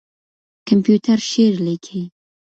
کمپيوټر شعر ليکي.